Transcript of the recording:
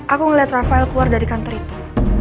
aku ngeliat rafael keluar dari kantor itu